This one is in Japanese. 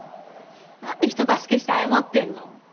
何で人助けして謝ってんの。